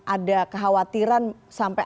ada kekhawatiran sampai